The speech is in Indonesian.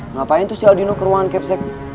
ngapain tuh si aldino ke ruangan kepsec